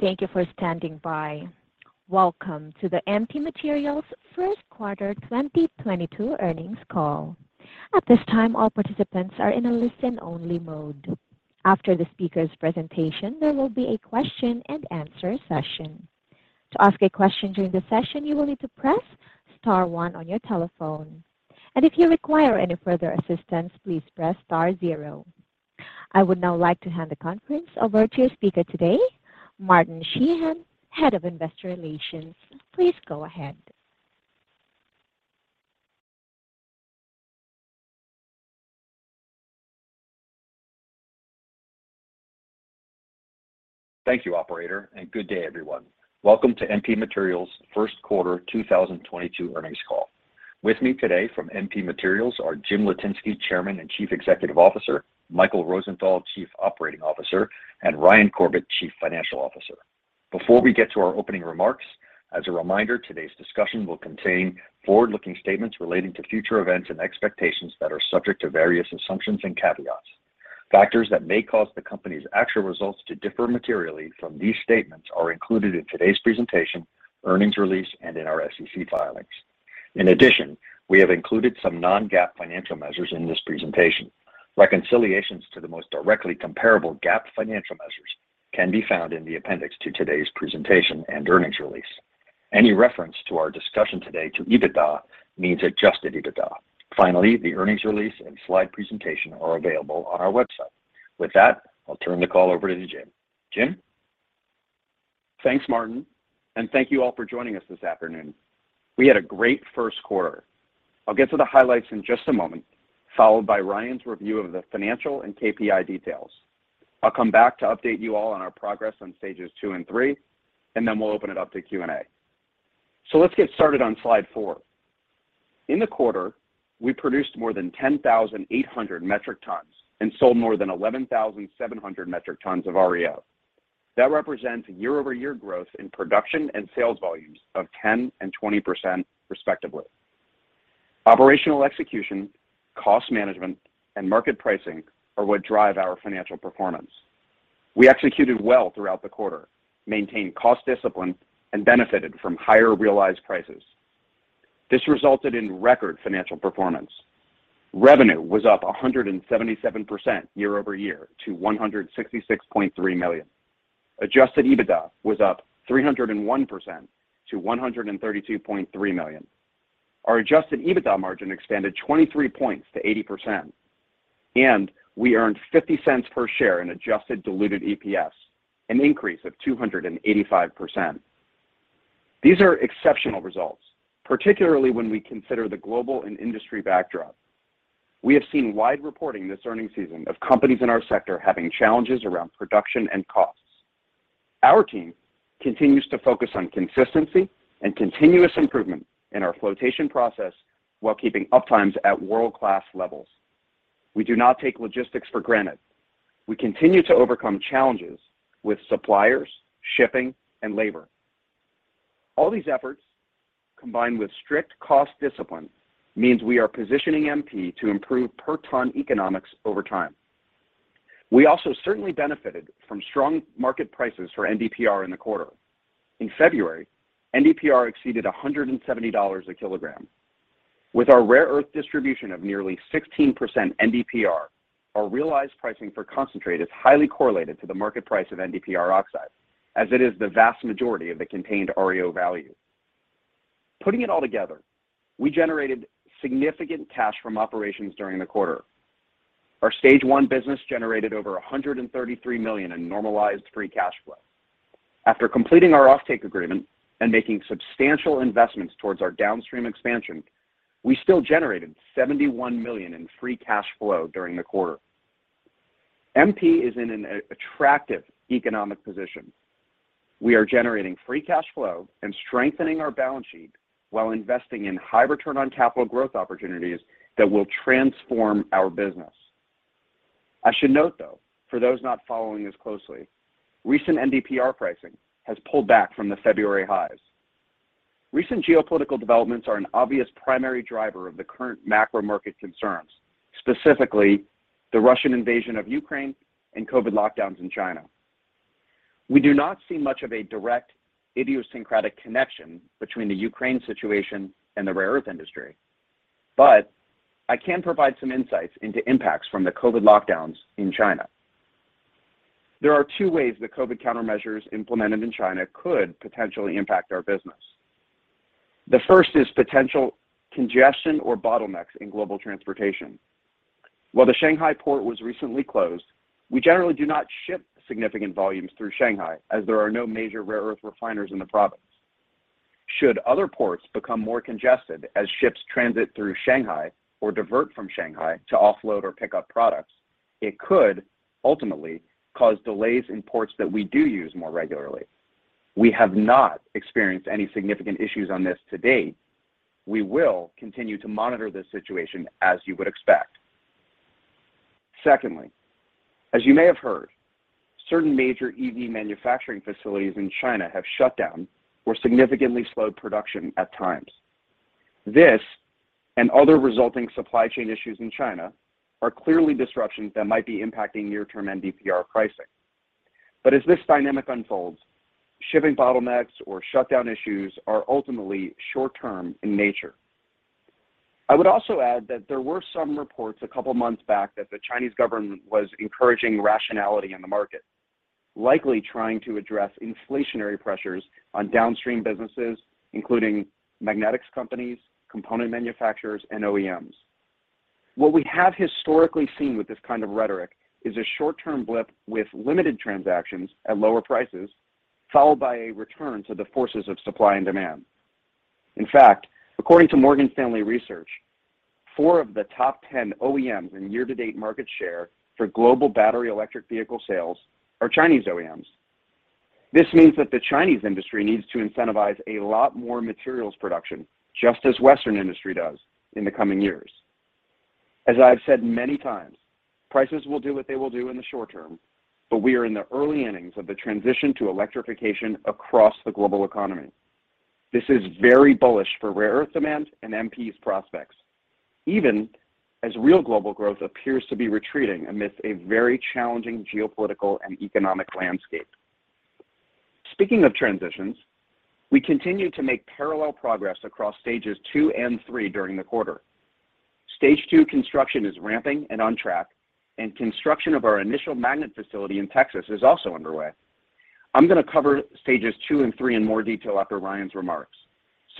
Thank you for standing by. Welcome to the MP Materials first quarter 2022 earnings call. At this time, all participants are in a listen only mode. After the speaker's presentation, there will be a question and answer session. To ask a question during the session, you will need to press star one on your telephone. If you require any further assistance, please press star zero. I would now like to hand the conference over to your speaker today, Martin Sheehan, Head of Investor Relations. Please go ahead. Thank you, operator, and good day, everyone. Welcome to MP Materials first quarter 2022 earnings call. With me today from MP Materials are Jim Litinsky, Chairman and Chief Executive Officer, Michael Rosenthal, Chief Operating Officer, and Ryan Corbett, Chief Financial Officer. Before we get to our opening remarks, as a reminder, today's discussion will contain forward-looking statements relating to future events and expectations that are subject to various assumptions and caveats. Factors that may cause the company's actual results to differ materially from these statements are included in today's presentation, earnings release, and in our SEC filings. In addition, we have included some non-GAAP financial measures in this presentation. Reconciliations to the most directly comparable GAAP financial measures can be found in the appendix to today's presentation and earnings release. Any reference to our discussion today to EBITDA means adjusted EBITDA. Finally, the earnings release and slide presentation are available on our website. With that, I'll turn the call over to Jim. Jim? Thanks, Martin, and thank you all for joining us this afternoon. We had a great first quarter. I'll get to the highlights in just a moment, followed by Ryan's review of the financial and KPI details. I'll come back to update you all on our progress on stages two and three, and then we'll open it up to Q&A. Let's get started on slide four. In the quarter, we produced more than 10,800 metric tons and sold more than 11,700 metric tons of REO. That represents year-over-year growth in production and sales volumes of 10% and 20% respectively. Operational execution, cost management, and market pricing are what drive our financial performance. We executed well throughout the quarter, maintained cost discipline, and benefited from higher realized prices. This resulted in record financial performance. Revenue was up 177% year-over-year to $166.3 million. Adjusted EBITDA was up 301% to $132.3 million. Our adjusted EBITDA margin expanded 23 points to 80%, and we earned $0.50 per share in adjusted diluted EPS, an increase of 285%. These are exceptional results, particularly when we consider the global and industry backdrop. We have seen wide reporting this earnings season of companies in our sector having challenges around production and costs. Our team continues to focus on consistency and continuous improvement in our flotation process while keeping uptimes at world-class levels. We do not take logistics for granted. We continue to overcome challenges with suppliers, shipping, and labor. All these efforts, combined with strict cost discipline, means we are positioning MP to improve per ton economics over time. We also certainly benefited from strong market prices for NdPr in the quarter. In February, NdPr exceeded $170 a kilogram. With our rare earth distribution of nearly 16% NdPr, our realized pricing for concentrate is highly correlated to the market price of NdPr oxide as it is the vast majority of the contained REO value. Putting it all together, we generated significant cash from operations during the quarter. Our stage one business generated over $133 million in normalized free cash flow. After completing our offtake agreement and making substantial investments towards our downstream expansion, we still generated $71 million in free cash flow during the quarter. MP is in an attractive economic position. We are generating free cash flow and strengthening our balance sheet while investing in high return on capital growth opportunities that will transform our business. I should note, though, for those not following as closely, recent NdPr pricing has pulled back from the February highs. Recent geopolitical developments are an obvious primary driver of the current macro market concerns, specifically the Russian invasion of Ukraine and COVID lockdowns in China. We do not see much of a direct idiosyncratic connection between the Ukraine situation and the rare earth industry, but I can provide some insights into impacts from the COVID lockdowns in China. There are two ways the COVID countermeasures implemented in China could potentially impact our business. The first is potential congestion or bottlenecks in global transportation. While the Shanghai port was recently closed, we generally do not ship significant volumes through Shanghai as there are no major rare earth refiners in the province. Should other ports become more congested as ships transit through Shanghai or divert from Shanghai to offload or pick up products, it could ultimately cause delays in ports that we do use more regularly. We have not experienced any significant issues on this to date. We will continue to monitor this situation as you would expect. Secondly, as you may have heard, certain major EV manufacturing facilities in China have shut down or significantly slowed production at times. This and other resulting supply chain issues in China are clearly disruptions that might be impacting near-term NdPr pricing. As this dynamic unfolds, shipping bottlenecks or shutdown issues are ultimately short-term in nature. I would also add that there were some reports a couple months back that the Chinese government was encouraging rationality in the market, likely trying to address inflationary pressures on downstream businesses, including magnetics companies, component manufacturers, and OEMs. What we have historically seen with this kind of rhetoric is a short-term blip with limited transactions at lower prices, followed by a return to the forces of supply and demand. In fact, according to Morgan Stanley Research, four of the top 10 OEMs in year-to-date market share for global battery electric vehicle sales are Chinese OEMs. This means that the Chinese industry needs to incentivize a lot more materials production, just as Western industry does in the coming years. As I have said many times, prices will do what they will do in the short term, but we are in the early innings of the transition to electrification across the global economy. This is very bullish for rare earth demand and MP's prospects, even as real global growth appears to be retreating amidst a very challenging geopolitical and economic landscape. Speaking of transitions, we continue to make parallel progress across stages two and three during the quarter. Stage two construction is ramping and on track, and construction of our initial magnet facility in Texas is also underway. I'm going to cover stages two and three in more detail after Ryan's remarks.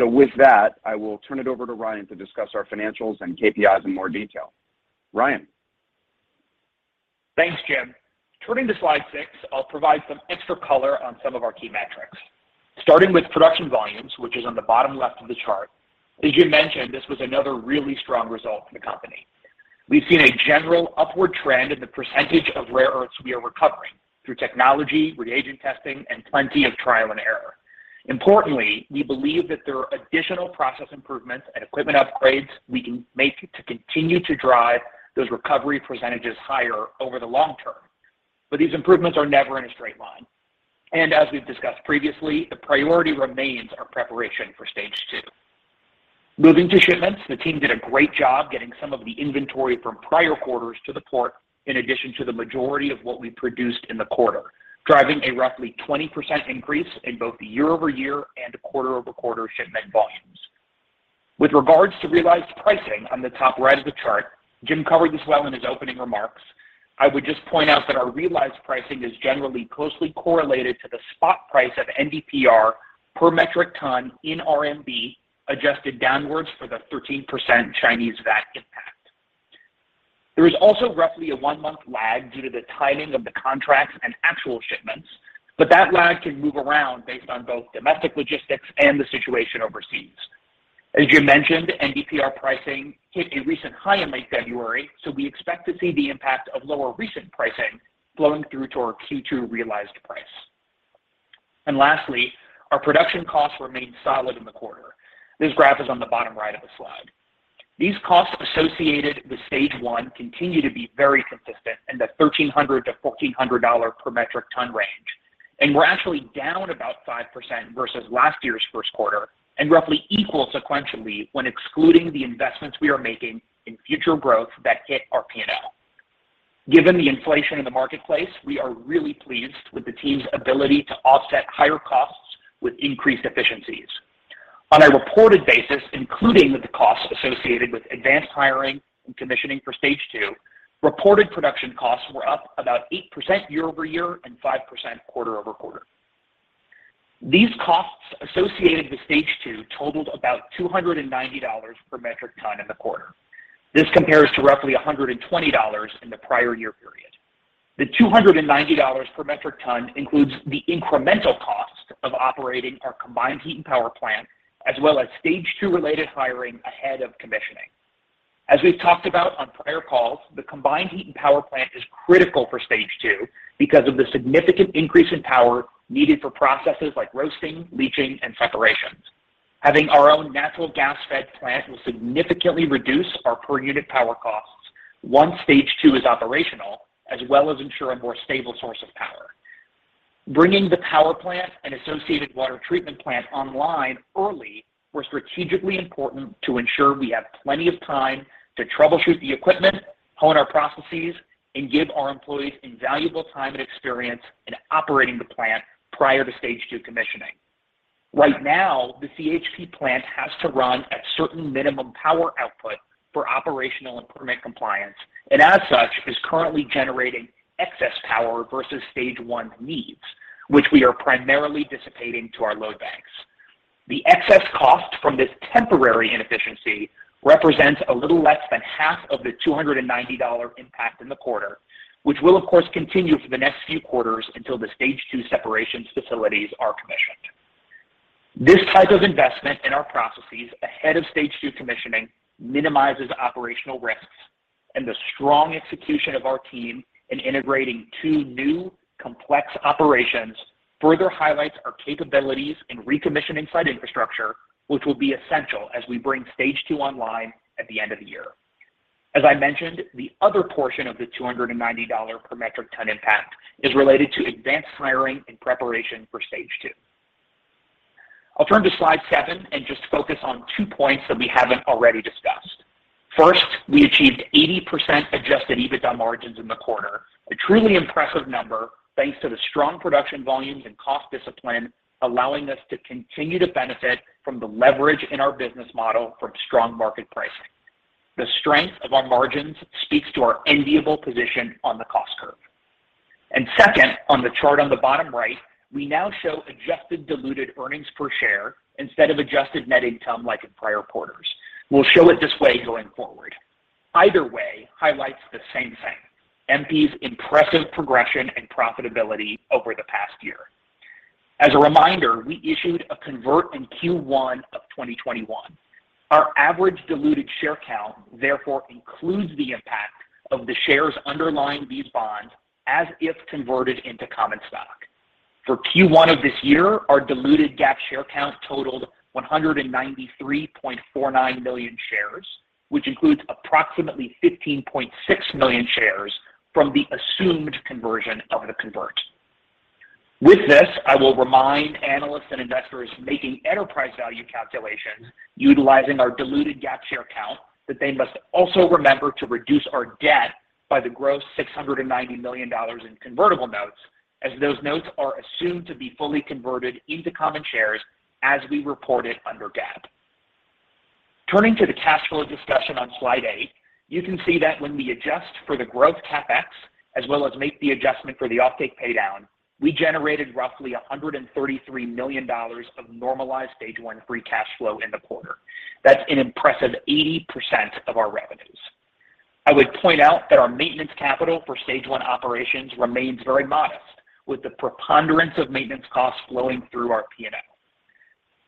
With that, I will turn it over to Ryan to discuss our financials and KPIs in more detail. Ryan. Thanks, Jim. Turning to slide 6, I'll provide some extra color on some of our key metrics. Starting with production volumes, which is on the bottom left of the chart. As you mentioned, this was another really strong result for the company. We've seen a general upward trend in the percentage of rare earths we are recovering through technology, reagent testing, and plenty of trial and error. Importantly, we believe that there are additional process improvements and equipment upgrades we can make to continue to drive those recovery percentages higher over the long term. These improvements are never in a straight line. As we've discussed previously, the priority remains our preparation for stage two. Moving to shipments, the team did a great job getting some of the inventory from prior quarters to the port, in addition to the majority of what we produced in the quarter, driving a roughly 20% increase in both the year-over-year and quarter-over-quarter shipment volumes. With regards to realized pricing on the top right of the chart, Jim covered this well in his opening remarks. I would just point out that our realized pricing is generally closely correlated to the spot price of NdPr per metric ton in RMB, adjusted downwards for the 13% Chinese VAT impact. There is also roughly a one-month lag due to the timing of the contracts and actual shipments, but that lag can move around based on both domestic logistics and the situation overseas. As you mentioned, NdPr pricing hit a recent high in late February, so we expect to see the impact of lower recent pricing flowing through to our Q2 realized price. Lastly, our production costs remained solid in the quarter. This graph is on the bottom right of the slide. These costs associated with stage one continue to be very consistent in the $1,300-$1,400 per metric ton range. We're actually down about 5% versus last year's first quarter and roughly equal sequentially when excluding the investments we are making in future growth that hit our P&L. Given the inflation in the marketplace, we are really pleased with the team's ability to offset higher costs with increased efficiencies. On a reported basis, including the costs associated with advanced hiring and commissioning for stage two, reported production costs were up about 8% year-over-year and 5% quarter-over-quarter. These costs associated with stage two totaled about $290 per metric ton in the quarter. This compares to roughly $120 in the prior year period. The $290 per metric ton includes the incremental cost of operating our combined heat and power plant, as well as stage two-related hiring ahead of commissioning. As we've talked about on prior calls, the combined heat and power plant is critical for stage two because of the significant increase in power needed for processes like roasting, leaching, and separations. Having our own natural gas fed plant will significantly reduce our per unit power costs once stage two is operational, as well as ensure a more stable source of power. Bringing the power plant and associated water treatment plant online early were strategically important to ensure we have plenty of time to troubleshoot the equipment, hone our processes, and give our employees invaluable time and experience in operating the plant prior to stage two commissioning. Right now, the CHP plant has to run at certain minimum power output for operational and permit compliance, and as such, is currently generating excess power versus stage one needs, which we are primarily dissipating to our load banks. The excess cost from this temporary inefficiency represents a little less than half of the $290 impact in the quarter, which will, of course, continue for the next few quarters until the stage two separations facilities are commissioned. This type of investment in our processes ahead of stage two commissioning minimizes operational risks and the strong execution of our team in integrating two new complex operations further highlights our capabilities in recommissioning site infrastructure, which will be essential as we bring stage two online at the end of the year. As I mentioned, the other portion of the $290 per metric ton impact is related to advanced hiring in preparation for stage two. I'll turn to slide 7 and just focus on two points that we haven't already discussed. First, we achieved 80% adjusted EBITDA margins in the quarter, a truly impressive number thanks to the strong production volumes and cost discipline allowing us to continue to benefit from the leverage in our business model from strong market pricing. The strength of our margins speaks to our enviable position on the cost curve. Second, on the chart on the bottom right, we now show adjusted diluted earnings per share instead of adjusted net income like in prior quarters. We'll show it this way going forward. Either way highlights the same thing, MP's impressive progression and profitability over the past year. As a reminder, we issued a convert in Q1 of 2021. Our average diluted share count therefore includes the impact of the shares underlying these bonds as if converted into common stock. For Q1 of this year, our diluted GAAP share count totaled 193.49 million shares, which includes approximately 15.6 million shares from the assumed conversion of the convertible. With this, I will remind analysts and investors making enterprise value calculations utilizing our diluted GAAP share count that they must also remember to reduce our debt by the gross $690 million in convertible notes as those notes are assumed to be fully converted into common shares as we report it under GAAP. Turning to the cash flow discussion on slide eight, you can see that when we adjust for the growth CapEx as well as make the adjustment for the offtake paydown, we generated roughly $133 million of normalized stage one free cash flow in the quarter. That's an impressive 80% of our revenues. I would point out that our maintenance capital for stage one operations remains very modest with the preponderance of maintenance costs flowing through our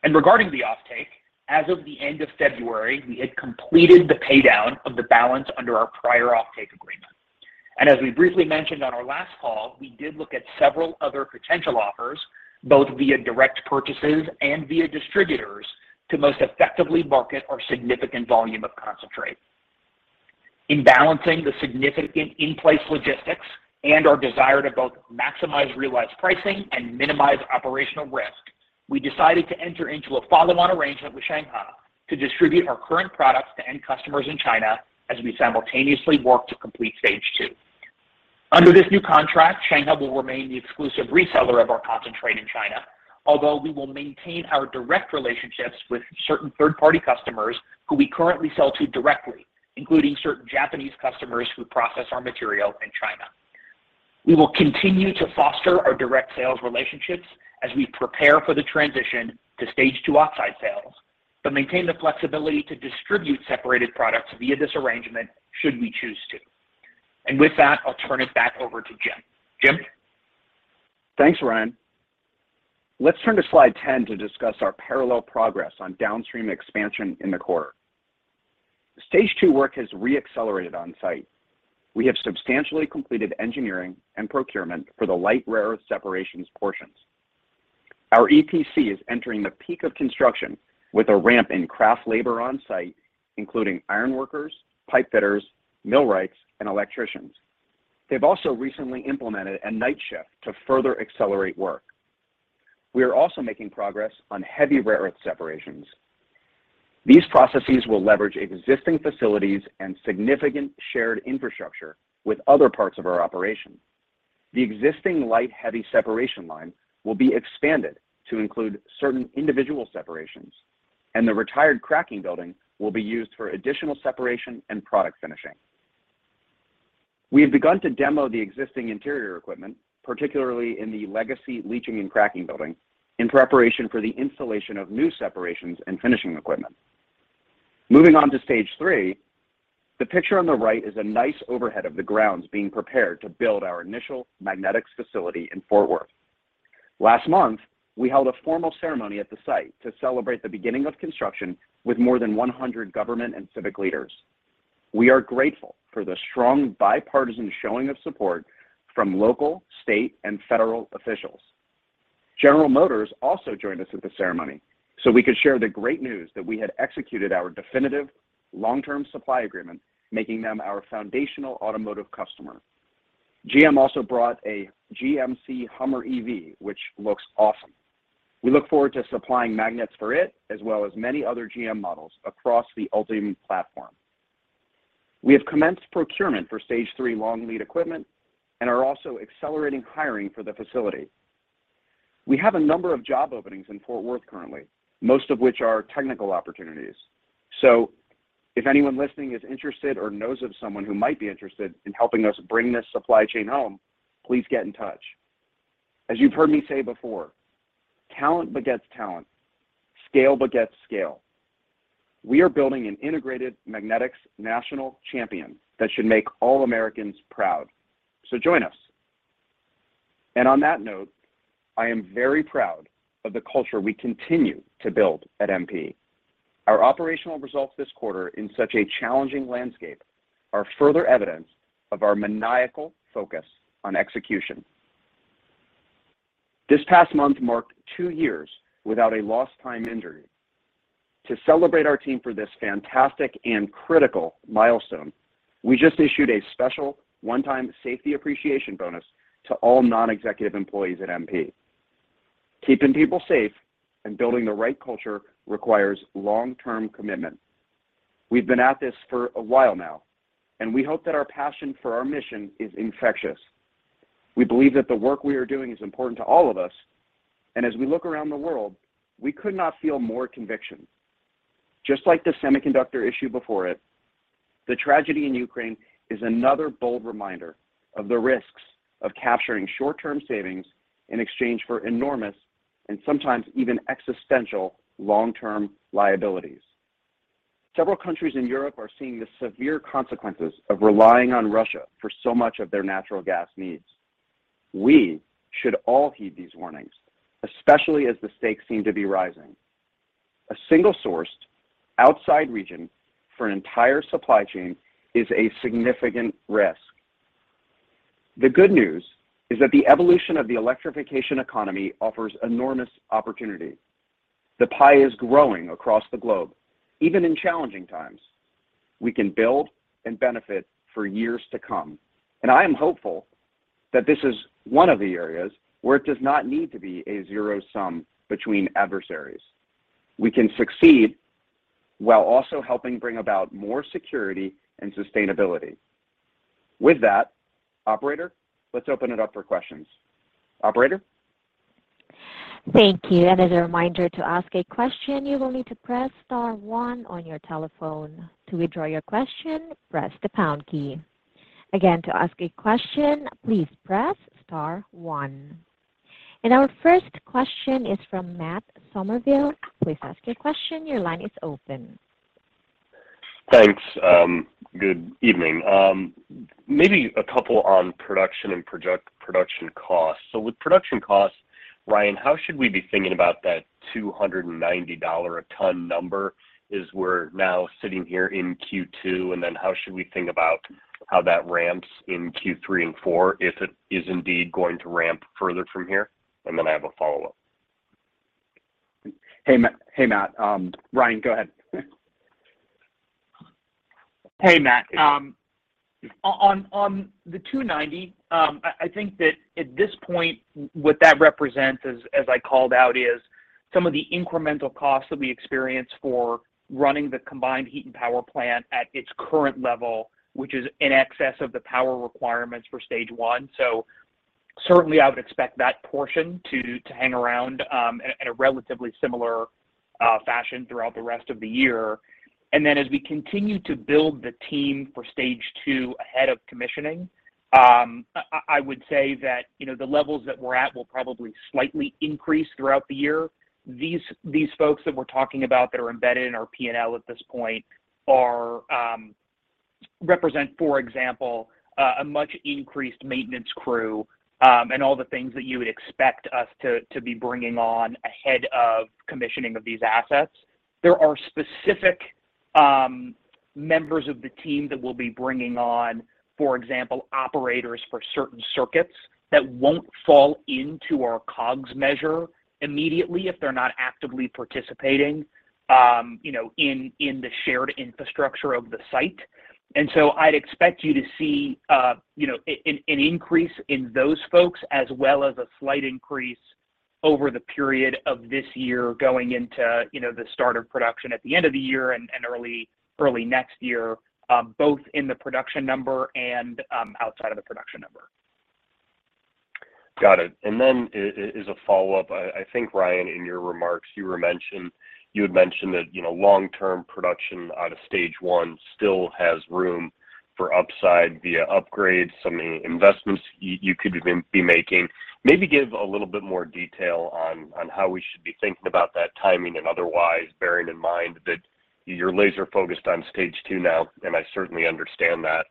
P&L. Regarding the offtake, as of the end of February, we had completed the paydown of the balance under our prior offtake agreement. As we briefly mentioned on our last call, we did look at several other potential offers, both via direct purchases and via distributors to most effectively market our significant volume of concentrate. In balancing the significant in-place logistics and our desire to both maximize realized pricing and minimize operational risk, we decided to enter into a follow-on arrangement with Shenghe Resources to distribute our current products to end customers in China as we simultaneously work to complete stage two. Under this new contract, Shenghe will remain the exclusive reseller of our concentrate in China, although we will maintain our direct relationships with certain third-party customers who we currently sell to directly, including certain Japanese customers who process our material in China. We will continue to foster our direct sales relationships as we prepare for the transition to stage two oxide sales, but maintain the flexibility to distribute separated products via this arrangement should we choose to. With that, I'll turn it back over to Jim. Jim? Thanks, Ryan. Let's turn to slide 10 to discuss our parallel progress on downstream expansion in the quarter. The stage 2 work has re-accelerated on site. We have substantially completed engineering and procurement for the light rare earth separations portions. Our EPC is entering the peak of construction with a ramp in craft labor on site, including ironworkers, pipefitters, millwrights, and electricians. They've also recently implemented a night shift to further accelerate work. We are also making progress on heavy rare earth separations. These processes will leverage existing facilities and significant shared infrastructure with other parts of our operation. The existing light heavy separation line will be expanded to include certain individual separations, and the retired cracking building will be used for additional separation and product finishing. We have begun to demo the existing interior equipment, particularly in the legacy leaching and cracking building, in preparation for the installation of new separations and finishing equipment. Moving on to stage three, the picture on the right is a nice overhead of the grounds being prepared to build our initial magnetics facility in Fort Worth. Last month, we held a formal ceremony at the site to celebrate the beginning of construction with more than 100 government and civic leaders. We are grateful for the strong bipartisan showing of support from local, state, and federal officials. General Motors also joined us at the ceremony so we could share the great news that we had executed our definitive long-term supply agreement, making them our foundational automotive customer. GM also brought a GMC Hummer EV, which looks awesome. We look forward to supplying magnets for it, as well as many other GM models across the Ultium platform. We have commenced procurement for stage three long lead equipment and are also accelerating hiring for the facility. We have a number of job openings in Fort Worth currently, most of which are technical opportunities. If anyone listening is interested or knows of someone who might be interested in helping us bring this supply chain home, please get in touch. As you've heard me say before, talent begets talent. Scale begets scale. We are building an integrated magnetics national champion that should make all Americans proud. Join us. On that note, I am very proud of the culture we continue to build at MP. Our operational results this quarter in such a challenging landscape are further evidence of our maniacal focus on execution. This past month marked two years without a lost time injury. To celebrate our team for this fantastic and critical milestone, we just issued a special one-time safety appreciation bonus to all non-executive employees at MP. Keeping people safe and building the right culture requires long-term commitment. We've been at this for a while now, and we hope that our passion for our mission is infectious. We believe that the work we are doing is important to all of us, and as we look around the world, we could not feel more conviction. Just like the semiconductor issue before it, the tragedy in Ukraine is another bold reminder of the risks of capturing short-term savings in exchange for enormous and sometimes even existential long-term liabilities. Several countries in Europe are seeing the severe consequences of relying on Russia for so much of their natural gas needs. We should all heed these warnings, especially as the stakes seem to be rising. A single-sourced outside region for an entire supply chain is a significant risk. The good news is that the evolution of the electrification economy offers enormous opportunity. The pie is growing across the globe, even in challenging times. We can build and benefit for years to come. I am hopeful that this is one of the areas where it does not need to be a zero-sum between adversaries. We can succeed while also helping bring about more security and sustainability. With that, operator, let's open it up for questions. Operator? Thank you. As a reminder, to ask a question, you will need to press star one on your telephone. To withdraw your question, press the pound key. Again, to ask a question, please press star one. Our first question is from Matt Summerville. Please ask your question. Your line is open. Thanks. Good evening. Maybe a couple on production costs. With production costs, Ryan, how should we be thinking about that $290 a ton number as we're now sitting here in Q2? How should we think about how that ramps in Q3 and Q4 if it is indeed going to ramp further from here? I have a follow-up. Hey, Matt. Ryan, go ahead. Hey, Matt. On the 290, I think that at this point, what that represents, as I called out, is some of the incremental costs that we experience for running the combined heat and power plant at its current level, which is in excess of the power requirements for stage one. Certainly I would expect that portion to hang around at a relatively similar fashion throughout the rest of the year. Then as we continue to build the team for stage two ahead of commissioning, I would say that, you know, the levels that we're at will probably slightly increase throughout the year. These folks that we're talking about that are embedded in our P&L at this point are...represent, for example, a much increased maintenance crew, and all the things that you would expect us to be bringing on ahead of commissioning of these assets. There are specific members of the team that we'll be bringing on, for example, operators for certain circuits that won't fall into our COGS measure immediately if they're not actively participating, you know, in the shared infrastructure of the site. I'd expect you to see, you know, an increase in those folks as well as a slight increase over the period of this year going into, you know, the start of production at the end of the year and early next year, both in the production number and outside of the production number. Got it. As a follow-up, I think, Ryan, in your remarks, you had mentioned that, you know, long-term production out of stage one still has room for upside via upgrades, some investments you could even be making. Maybe give a little bit more detail on how we should be thinking about that timing and otherwise, bearing in mind that you're laser-focused on stage two now, and I certainly understand that.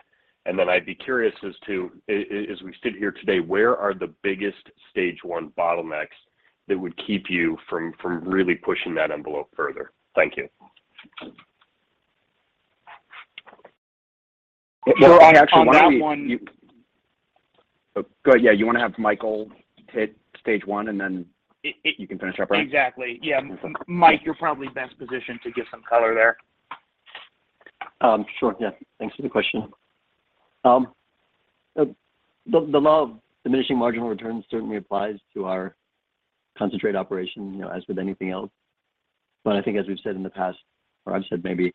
I'd be curious as to, as we sit here today, where are the biggest stage one bottlenecks that would keep you from really pushing that envelope further? Thank you. Well, on that one. Actually, why don't you. Go, yeah, you wanna have Michael hit stage one and then. It, it- You can finish up, Ryan. Exactly. Yeah. Okay. Mike, you're probably best positioned to give some color there. Sure. Yeah. Thanks for the question. The law of diminishing marginal returns certainly applies to our concentrate operation, you know, as with anything else. I think as we've said in the past, or I've said maybe, you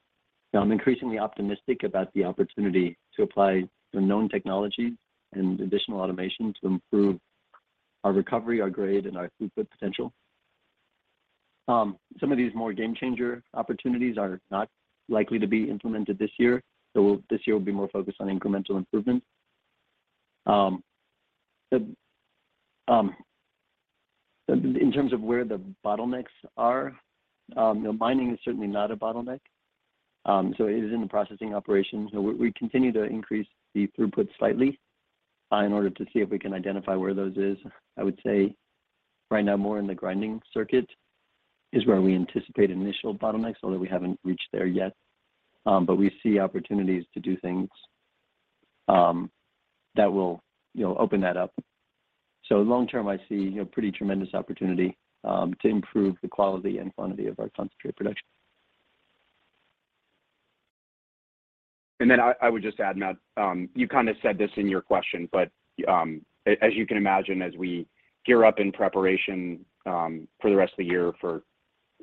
know, I'm increasingly optimistic about the opportunity to apply the known technology and additional automation to improve our recovery, our grade, and our throughput potential. Some of these more game changer opportunities are not likely to be implemented this year. This year will be more focused on incremental improvements. In terms of where the bottlenecks are, you know, mining is certainly not a bottleneck, so it is in the processing operations. We continue to increase the throughput slightly, in order to see if we can identify where those is. I would say right now more in the grinding circuit is where we anticipate initial bottlenecks, although we haven't reached there yet. We see opportunities to do things, that will, you know, open that up. Long term, I see, you know, pretty tremendous opportunity, to improve the quality and quantity of our concentrate production. I would just add, Matt, you kind of said this in your question, but as you can imagine, as we gear up in preparation for the rest of the year for,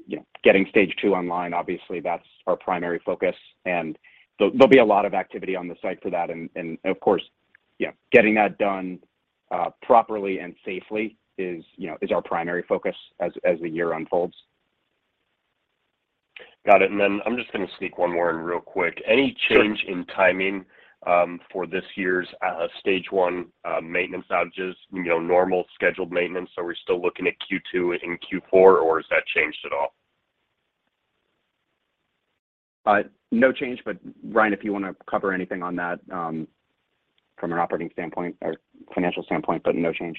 you know, getting stage two online, obviously that's our primary focus. There'll be a lot of activity on the site for that. Of course, yeah, getting that done properly and safely is, you know, is our primary focus as the year unfolds. Got it. I'm just gonna sneak one more in real quick. Any change in timing for this year's stage one maintenance outages? You know, normal scheduled maintenance. We're still looking at Q2 and Q4, or has that changed at all? No change. Ryan, if you wanna cover anything on that, from an operating standpoint or financial standpoint, but no change.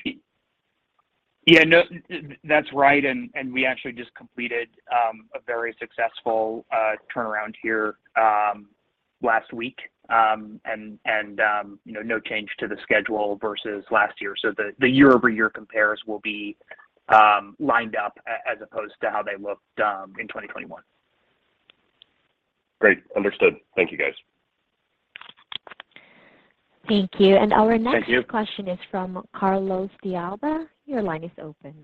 Yeah, no, that's right. We actually just completed a very successful turnaround here last week. You know, no change to the schedule versus last year. The year-over-year compares will be lined up as opposed to how they looked in 2021. Great. Understood. Thank you, guys. Thank you. Thank you. Our next question is from Carlos de Alba. Your line is open.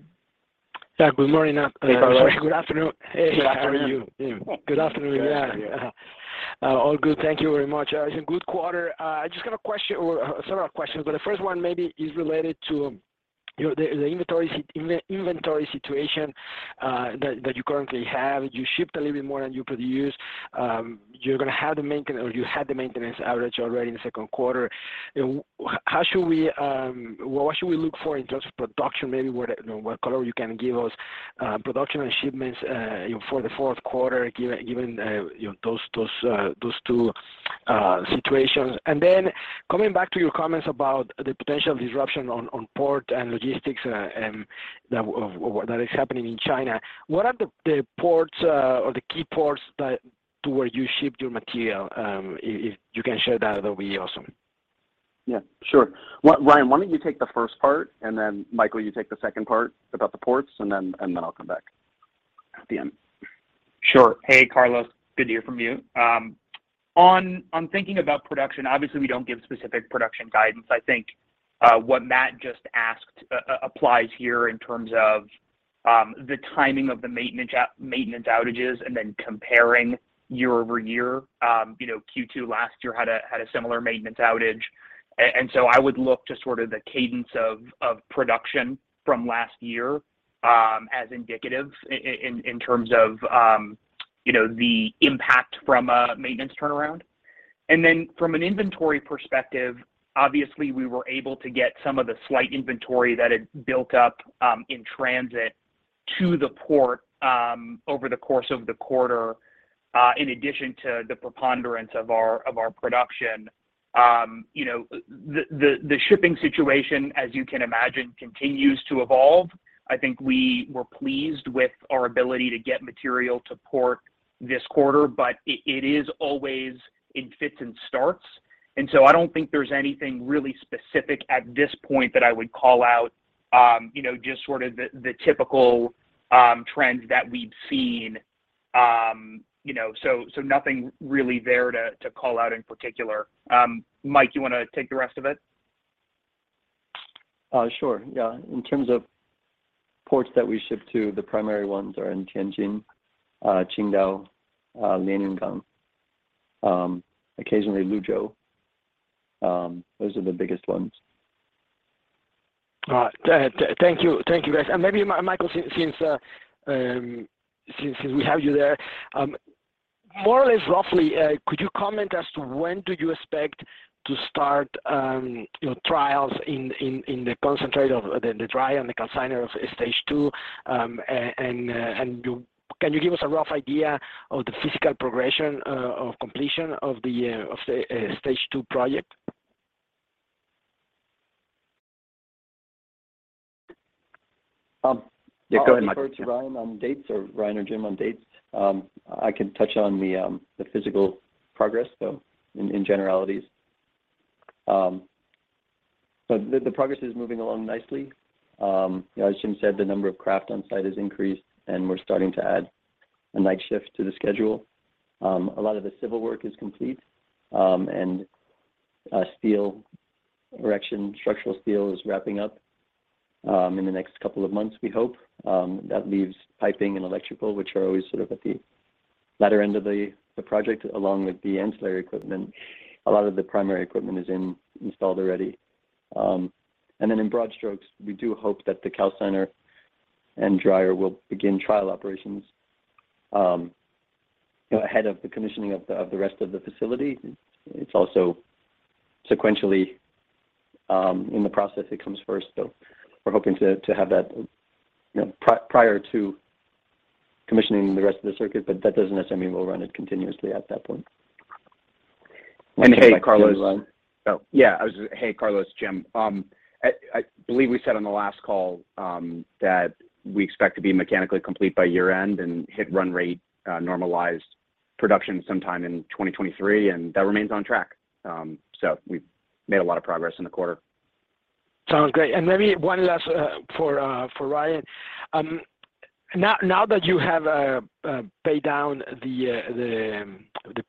Yeah. Good morning. Hey, Carlos. Good afternoon. Good afternoon. Hey, how are you? Good afternoon. Yeah. Good. How are you? All good. Thank you very much. It's a good quarter. I just got a question or several questions, but the first one maybe is related to, you know, the inventory situation that you currently have. You shipped a little bit more than you produced. You're gonna have the maintenance or you had the maintenance outage already in the second quarter. You know, what should we look for in terms of production? Maybe what color you can give us, production and shipments, you know, for the fourth quarter given, you know, those two situations. Then coming back to your comments about the potential disruption on port and logistics that is happening in China. What are the ports or the key ports that to where you ship your material? If you can share that would be awesome. Yeah, sure. Ryan, why don't you take the first part, and then Michael, you take the second part about the ports, and then I'll come back at the end. Sure. Hey, Carlos. Good to hear from you. On thinking about production, obviously, we don't give specific production guidance. I think what Matt just asked applies here in terms of the timing of the maintenance outages and then comparing year-over-year. You know, Q2 last year had a similar maintenance outage. So I would look to sort of the cadence of production from last year as indicative in terms of you know, the impact from a maintenance turnaround. Then from an inventory perspective, obviously, we were able to get some of the slight inventory that had built up in transit to the port over the course of the quarter in addition to the preponderance of our production. You know, the shipping situation, as you can imagine, continues to evolve. I think we were pleased with our ability to get material to port this quarter, but it is always in fits and starts. I don't think there's anything really specific at this point that I would call out, you know, just sort of the typical trends that we've seen, you know. Nothing really there to call out in particular. Mike, you wanna take the rest of it? Sure. Yeah. In terms of ports that we ship to, the primary ones are in Tianjin, Qingdao, Lianyungang, occasionally Luzhou. Those are the biggest ones. All right. Thank you. Thank you, guys. Maybe Michael, since we have you there, more or less roughly, could you comment as to when do you expect to start, you know, trials in the concentrate of the dry and the calciner of stage two? Can you give us a rough idea of the physical progression of completion of the stage two project? Um- Yeah, go ahead, Michael. Yeah I'll defer to Ryan or Jim on dates. I can touch on the physical progress, though, in generalities. The progress is moving along nicely. As Jim said, the number of craft on site has increased, and we're starting to add a night shift to the schedule. A lot of the civil work is complete, and steel erection, structural steel is wrapping up in the next couple of months, we hope. That leaves piping and electrical, which are always sort of at the latter end of the project, along with the ancillary equipment. A lot of the primary equipment is installed already. In broad strokes, we do hope that the calciner and dryer will begin trial operations, you know, ahead of the commissioning of the rest of the facility. It's also sequentially in the process. It comes first. We're hoping to have that, you know, prior to commissioning the rest of the circuit, but that doesn't necessarily mean we'll run it continuously at that point. Hey, Carlos. Oh, yeah. Hey, Carlos, Jim. I believe we said on the last call that we expect to be mechanically complete by year-end and hit run rate normalized production sometime in 2023, and that remains on track. We've made a lot of progress in the quarter. Sounds great. Maybe one last for Ryan. Now that you have paid down the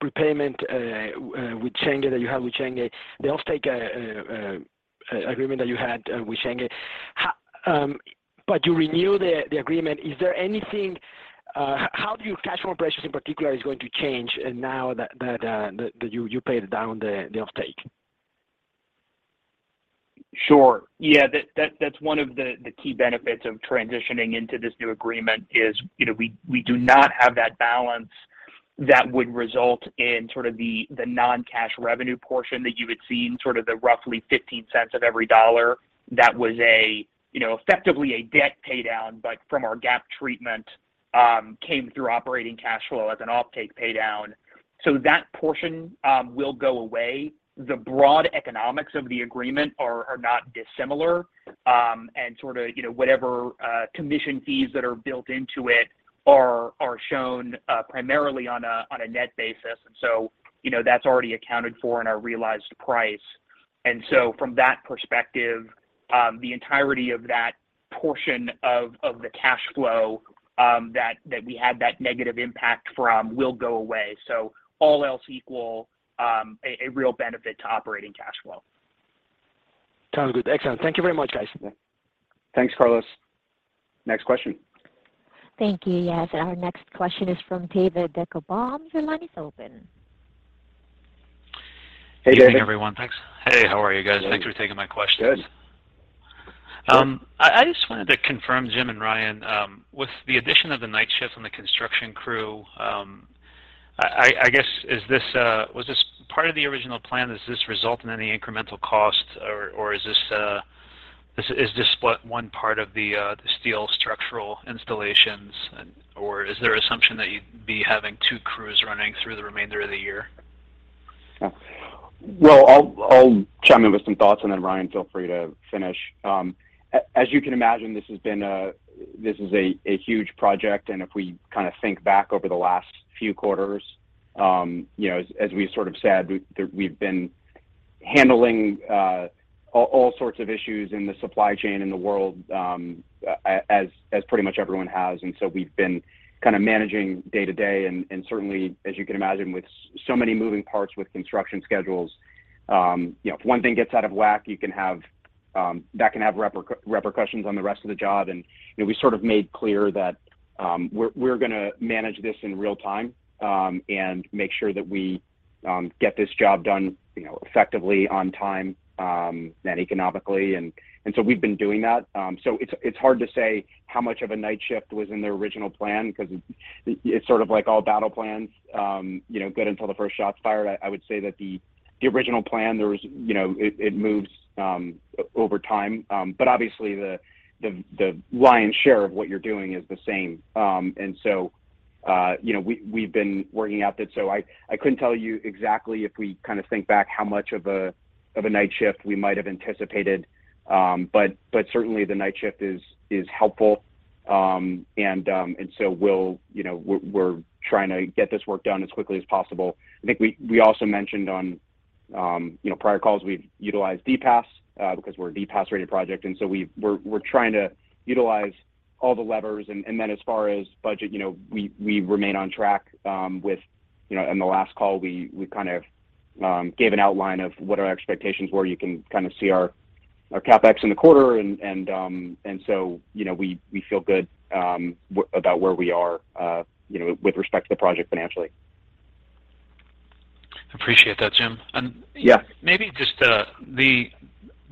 prepayment with Shenghe that you have with Shenghe, the offtake agreement that you had with Shenghe. But you renew the agreement, is there anything. How do your cash flow pressures in particular is going to change, and now that you paid down the offtake? Sure. Yeah. That's one of the key benefits of transitioning into this new agreement is, you know, we do not have that balance that would result in sort of the non-cash revenue portion that you had seen, sort of the roughly 15 cents of every dollar that was a, you know, effectively a debt pay down, but from our GAAP treatment, came through operating cash flow as an offtake pay down. That portion will go away. The broad economics of the agreement are not dissimilar. Sort of, you know, whatever commission fees that are built into it are shown primarily on a net basis. You know, that's already accounted for in our realized price. From that perspective, the entirety of that portion of the cash flow that we had that negative impact from will go away. All else equal, a real benefit to operating cash flow. Sounds good. Excellent. Thank you very much, guys. Thanks, Carlos. Next question. Thank you. Yes, our next question is from David Deckelbaum. Your line is open. Hey, David. Good evening, everyone. Thanks. Hey, how are you guys? Good. Thanks for taking my questions. Good. I just wanted to confirm, Jim and Ryan, with the addition of the night shift and the construction crew, I guess, was this part of the original plan? Does this result in any incremental cost, or is this one part of the steel structural installations? Or is there assumption that you'd be having two crews running through the remainder of the year? Well, I'll chime in with some thoughts, and then Ryan, feel free to finish. As you can imagine, this is a huge project, and if we kind of think back over the last few quarters, you know, as we sort of said, we've been handling all sorts of issues in the supply chain in the world, as pretty much everyone has. We've been kind of managing day to day and certainly, as you can imagine, with so many moving parts with construction schedules, you know, if one thing gets out of whack, that can have repercussions on the rest of the job. You know, we sort of made clear that we're gonna manage this in real time, and make sure that we get this job done, you know, effectively on time, and economically. We've been doing that. It's hard to say how much of a night shift was in the original plan because it's sort of like all battle plans, you know, good until the first shot's fired. I would say that the original plan there was, you know, it moves over time. Obviously the lion's share of what you're doing is the same. You know, we've been working out that. I couldn't tell you exactly if we kind of think back how much of a night shift we might have anticipated. Certainly the night shift is helpful. You know, we're trying to get this work done as quickly as possible. I think we also mentioned on prior calls we've utilized DPAS because we're a DPAS rated project, and we're trying to utilize all the levers. As far as budget, you know, we remain on track with, you know, in the last call, we kind of gave an outline of what our expectations were. You can kind of see our CapEx in the quarter and so, you know, we feel good about where we are, you know, with respect to the project financially. Appreciate that, Jim. Yeah. Maybe just the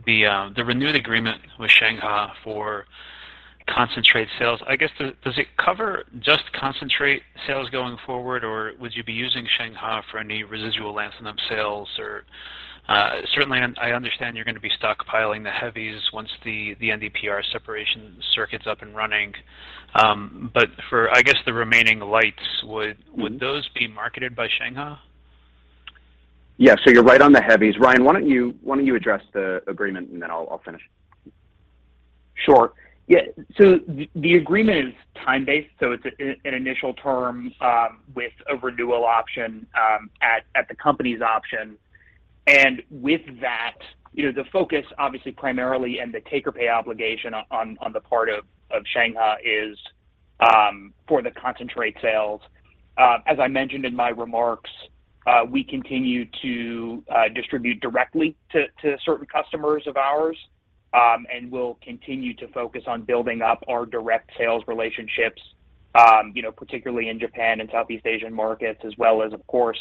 renewed agreement with Shenghe for concentrate sales, I guess does it cover just concentrate sales going forward, or would you be using Shenghe for any residual lanthanum sales? Or, certainly I understand you're gonna be stockpiling the heavies once the NdPr separation circuit's up and running. But for, I guess, the remaining lights, would- Mm-hmm. Would those be marketed by Shenghe? Yeah. You're right on the heavies. Ryan, why don't you address the agreement, and then I'll finish. Sure. Yeah. The agreement is time-based, so it's an initial term with a renewal option at the company's option. With that, you know, the focus obviously primarily and the take or pay obligation on the part of Shenghe is for the concentrate sales. As I mentioned in my remarks, we continue to distribute directly to certain customers of ours, and we'll continue to focus on building up our direct sales relationships, you know, particularly in Japan and Southeast Asian markets, as well as of course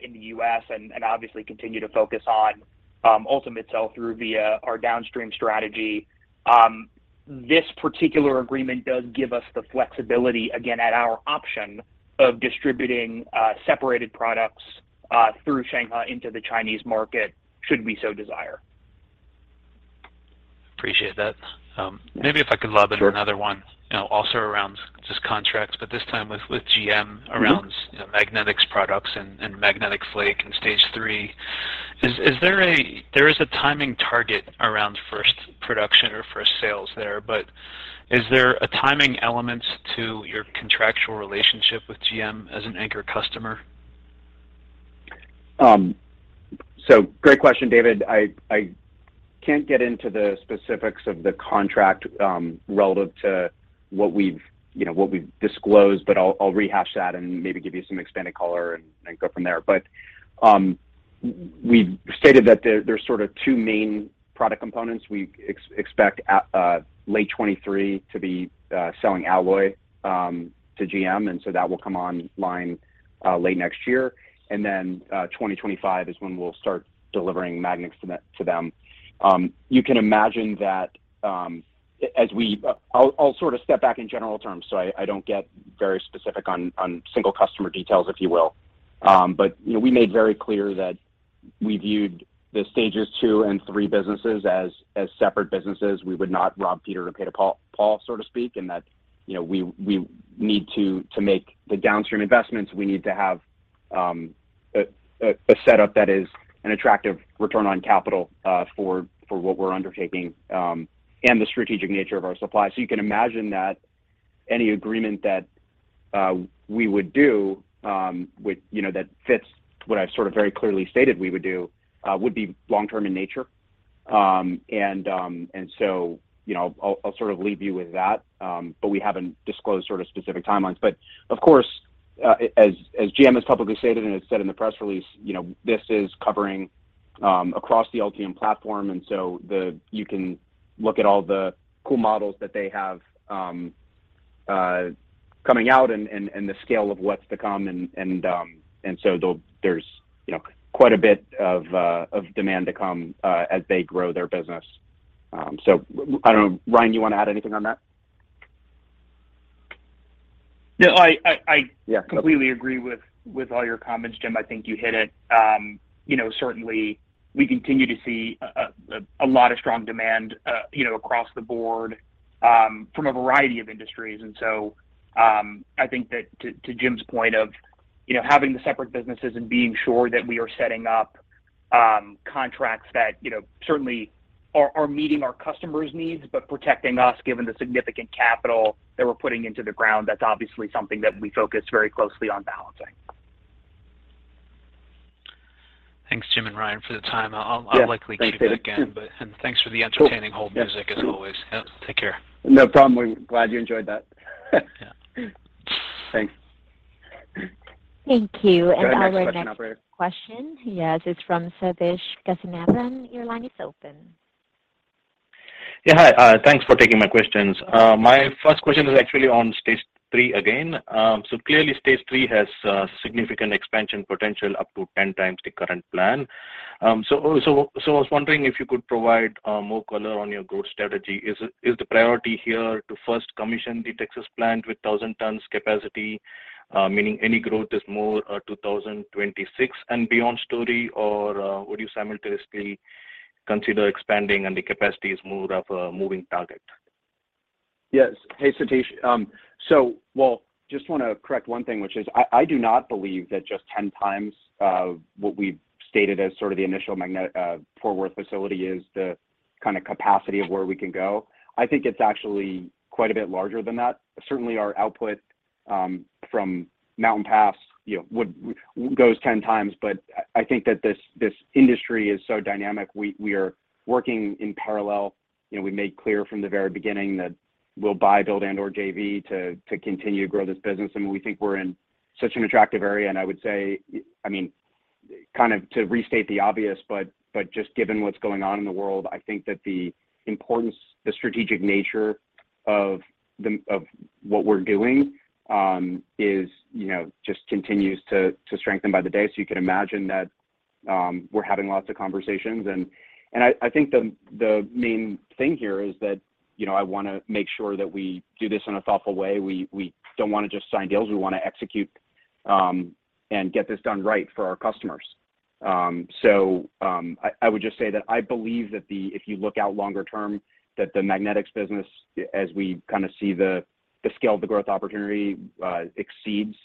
in the U.S., and obviously continue to focus on ultimate sell-through via our downstream strategy. This particular agreement does give us the flexibility, again, at our option of distributing separated products through Shenghe into the Chinese market should we so desire. Appreciate that. Maybe if I could lob in- Sure. Another one, you know, also around just contracts, but this time with GM around. Mm-hmm. You know, magnetics products and magnetic flake and stage three. There is a timing target around first production or first sales there, but is there a timing element to your contractual relationship with GM as an anchor customer? Great question, David. I can't get into the specifics of the contract relative to what we've, you know, what we've disclosed, but I'll rehash that and maybe give you some expanded color and go from there. We've stated that there's sort of two main product components. We expect at late 2023 to be selling alloy to GM, and so that will come online late next year. Then, 2025 is when we'll start delivering magnets to them. You can imagine that. I'll sort of step back in general terms so I don't get very specific on single customer details, if you will. You know, we made very clear that we viewed the stages two and three businesses as separate businesses. We would not rob Peter to pay Paul, so to speak. You know, we need to make the downstream investments. We need to have a setup that is an attractive return on capital for what we're undertaking and the strategic nature of our supply. You can imagine that any agreement that we would do would, you know, that fits what I've sort of very clearly stated we would do, would be long-term in nature. You know, I'll sort of leave you with that. But we haven't disclosed sort of specific timelines. Of course, as GM has publicly stated and has said in the press release, you know, this is covering across the Ultium platform, and so you can look at all the cool models that they have coming out and the scale of what's to come. And so there's, you know, quite a bit of demand to come as they grow their business. I don't know, Ryan, you wanna add anything on that? No, I Yeah. Completely agree with all your comments, Jim. I think you hit it. You know, certainly we continue to see a lot of strong demand, you know, across the board, from a variety of industries. I think that to Jim's point of, you know, having the separate businesses and being sure that we are setting up contracts that, you know, certainly are meeting our customers' needs, but protecting us given the significant capital that we're putting into the ground, that's obviously something that we focus very closely on balancing. Thanks, Jim and Ryan, for the time. I'll Yeah. Thanks, David. Likely queue back in. Thanks for the entertaining Cool. Yeah. Hold music, as always. Cool. Yep. Take care. No problem. We're glad you enjoyed that. Yeah. Thanks. Thank you. Go ahead. Next question, operator. Our next question, yes, it's from Sathish Kasinathan. Your line is open. Yeah. Hi, thanks for taking my questions. My first question is actually on stage three again. Clearly stage three has significant expansion potential up to 10 times the current plan. I was wondering if you could provide more color on your growth strategy. Is the priority here to first commission the Texas plant with 1,000 tons capacity, meaning any growth is more 2026 and beyond story? Or would you simultaneously consider expanding and the capacity is more of a moving target? Yes. Hey, Satish. So, well, just wanna correct one thing, which is I do not believe that just 10 times what we've stated as sort of the initial magnet Fort Worth facility is the kinda capacity of where we can go. I think it's actually quite a bit larger than that. Certainly our output from Mountain Pass, you know, goes 10 times, but I think that this industry is so dynamic, we are working in parallel. You know, we made clear from the very beginning that we'll buy, build and/or JV to continue to grow this business, and we think we're in such an attractive area. I would say, I mean, kind of to restate the obvious, but just given what's going on in the world, I think that the importance, the strategic nature of what we're doing, is, you know, just continues to strengthen by the day. You can imagine that, we're having lots of conversations. I think the main thing here is that, you know, I wanna make sure that we do this in a thoughtful way. We don't wanna just sign deals. We wanna execute, and get this done right for our customers. I would just say that I believe that if you look out longer term, that the magnetics business, as we kinda see the scale of the growth opportunity, exceeds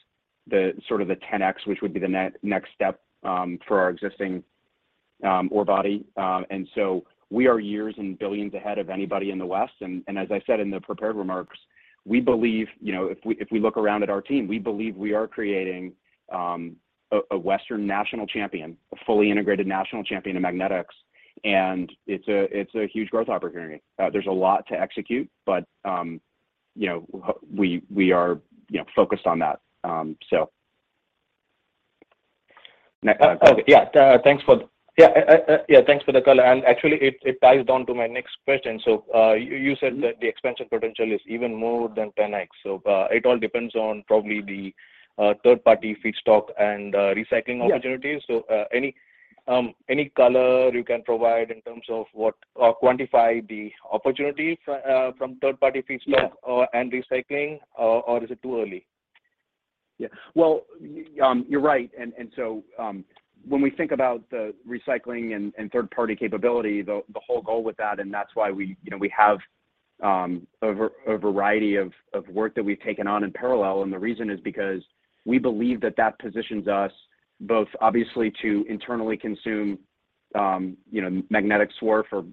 the sort of 10x, which would be the next step for our existing ore body. We are years and billions ahead of anybody in the West. As I said in the prepared remarks, we believe, you know, if we look around at our team, we believe we are creating a Western national champion, a fully integrated national champion in magnetics, and it's a huge growth opportunity. There's a lot to execute, but you know, we are focused on that. Next question. Yeah, thanks for the color. Actually it ties down to my next question. You said that the expansion potential is even more than 10x. It all depends on probably the third party feedstock and recycling opportunities. Yeah. Any color you can provide in terms of or quantify the opportunities from third party feedstock? Yeah recycling, or is it too early? Yeah. Well, you're right. When we think about the recycling and third-party capability, the whole goal with that, and that's why we, you know, we have a variety of work that we've taken on in parallel, and the reason is because we believe that that positions us both obviously to internally consume, you know, magnet swarf for